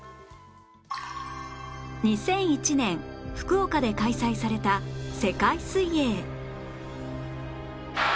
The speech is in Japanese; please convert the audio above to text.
２００１年福岡で開催された世界水泳